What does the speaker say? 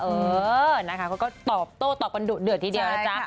เออนะคะก็ตอบโต้ตอบบรรดุเดือดทีเดียวแล้วจ๊ะ